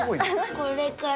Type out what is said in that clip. これから。